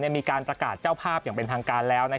มีการประกาศเจ้าภาพอย่างเป็นทางการแล้ว